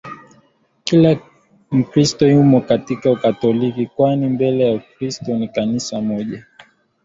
kila Mkristo yumo katika Ukatoliki kwani mbele ya Kristo Kanisa ni moja